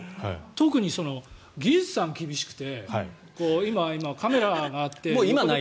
特に技術さん厳しくて今、カメラがあって。